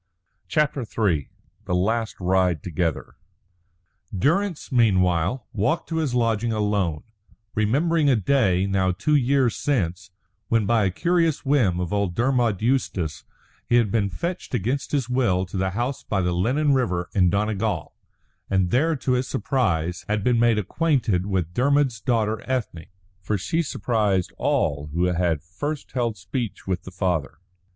CHAPTER III THE LAST RIDE TOGETHER Durrance, meanwhile, walked to his lodging alone, remembering a day, now two years since, when by a curious whim of old Dermod Eustace he had been fetched against his will to the house by the Lennon River in Donegal, and there, to his surprise, had been made acquainted with Dermod's daughter Ethne. For she surprised all who had first held speech with the father.